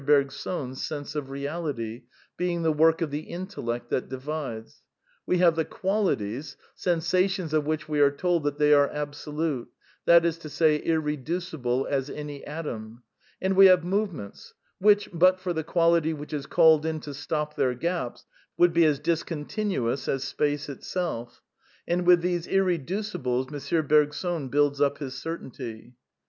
Bergson's sense of reality, being the work of the intellect that divides ; we have the qualities — sensa tions of which we are told that they are absolute, that is to Bay, irreducible as any atom; and we have movements which, but for the quality which is called in to stop their gaps, would be as discontinuous as space itself. And with Siese irreducibles M. Bergson builds up his certainty.